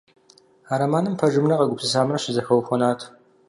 А романым пэжымрэ къэгупсысамрэ щызэхэухуэнащ.